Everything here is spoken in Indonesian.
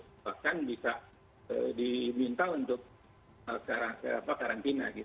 jadi itu kan bisa diminta untuk karantina